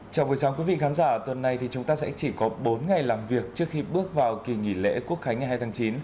chào quý vị khán giả tuần này thì chúng ta sẽ chỉ có bốn ngày làm việc trước khi bước vào kỳ nghỉ lễ quốc khánh ngày hai tháng chín